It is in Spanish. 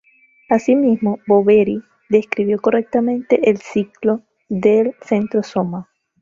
Asimismo, Boveri describió correctamente el ciclo del centrosoma.